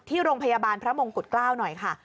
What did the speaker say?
ที่โรงพยาบาลพระมงกุฎเกล้าหน่อยค่ะ